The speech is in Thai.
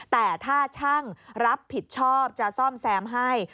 แต่ถ้าช่างรับผิดชอบจะซ่อมแซมให้